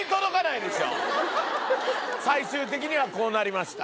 最終的にはこうなりました。